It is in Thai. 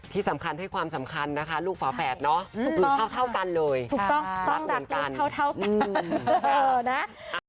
ที่สำคัญให้ความสำคัญนะคะลูกฝาแปดเนาะถูกต้องรักลูกเท่ากัน